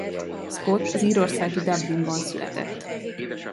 Scott az írországi Dublinban született.